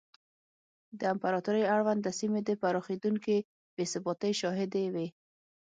د امپراتورۍ اړونده سیمې د پراخېدونکې بې ثباتۍ شاهدې وې.